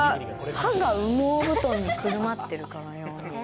歯が羽毛布団にくるまってるかのように。